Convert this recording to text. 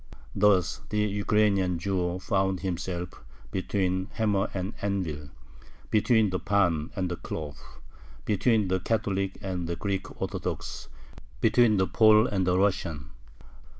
Thus the Ukrainian Jew found himself between hammer and anvil: between the pan and the khlop, between the Catholic and the Greek Orthodox, between the Pole and the Russian.